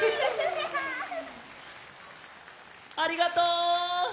ありがとう！